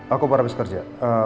aku baru habis kerja